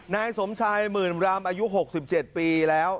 นายสมชายหมื่นรำอายุ๖๗ปีแล้ว